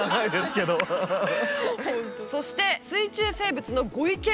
そして水中生物のご意見